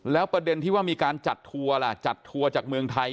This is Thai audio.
แล้วประเด็นที่ว่ามีการจัดทัวร์ล่ะจัดทัวร์จากเมืองไทย